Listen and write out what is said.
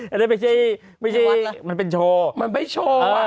อันนั้นไม่ใช่ไม่ใช่มันเป็นโชว์มันไม่โชว์ว่าเออ